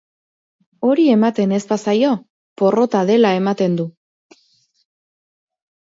Hori ematen ez bazaio, porrota dela ematen du.